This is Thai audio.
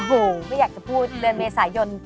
ฮุยก็อยากจะพูดเดือนเมษายน